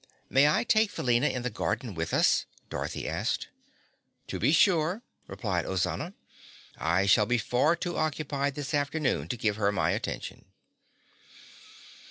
"May I take Felina in the garden with us?" Dorothy asked. "To be sure," replied Ozana. "I shall be far too occupied this afternoon to give her my attention."